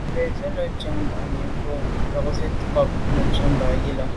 Bìn à’ sə̌’ njən mbu’ŋwà’nǐ mì bə̂ bo lô’ nzi’tə ncob Mə̀dʉ̂mbὰ yi lα.